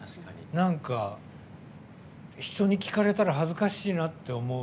人に聞かれたら恥ずかしいなって思う。